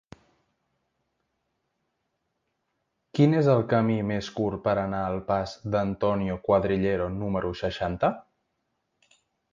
Quin és el camí més curt per anar al pas d'Antonio Cuadrillero número seixanta?